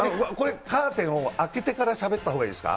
カーテンを開けてからしゃべったほうがいいですか？